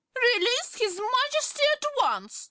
"Release his Majesty at once!"